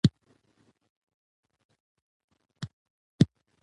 د اوبو سرچینې د افغانستان د اقتصاد برخه ده.